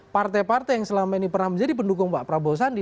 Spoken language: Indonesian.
partai partai yang selama ini pernah menjadi pendukung pak prabowo sandi